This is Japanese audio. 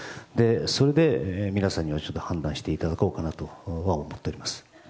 それで、皆さんには判断していただこうかなと思っております。